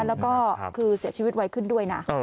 แล้วก็คือเสียชีวิตไวขึ้นด้วยนะ